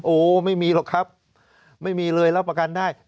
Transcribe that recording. โอ้ไม่มีหรอกครับไม่มีเลยรับประกันได้